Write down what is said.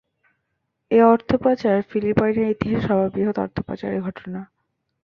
এ অর্থ পাচার ফিলিপাইনের ইতিহাসে সর্ববৃহৎ অর্থ পাচারের ঘটনা।